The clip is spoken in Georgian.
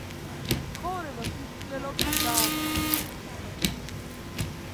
ცხოვრება თვითმკვლელობით დაასრულა.